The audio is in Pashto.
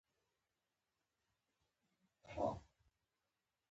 موریتاني متل وایي بې عزته ځای کې مه اوسئ.